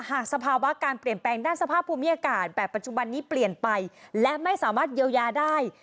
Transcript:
สภาวะการเปลี่ยนแปลงด้านสภาพภูมิอากาศแบบปัจจุบันนี้เปลี่ยนไปและไม่สามารถเยียวยาได้